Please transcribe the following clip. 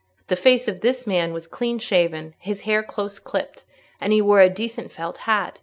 The face of this man was clean shaven, his hair close clipped, and he wore a decent felt hat.